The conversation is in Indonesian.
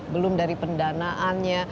belum dari pendanaannya